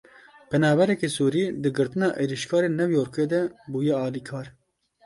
Penaberekî Sûrî di girtina êrişkarê New Yorkê de bûye alîkar.